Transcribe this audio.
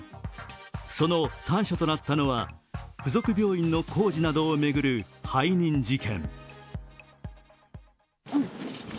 その端緒となったのは附属病院の工事などを巡る背任事件。